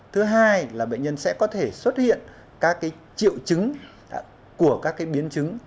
thứ hai là bệnh nhân sẽ có thể xuất hiện các triệu chứng của các biến chứng